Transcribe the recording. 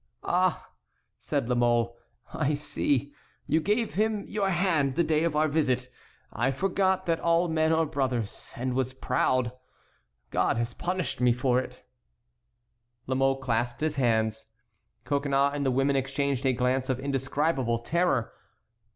"Ah!" said La Mole, "I see; you gave him your hand the day of our visit; I forgot that all men are brothers, and was proud. God has punished me for it!" La Mole clasped his hands. Coconnas and the women exchanged a glance of indescribable terror.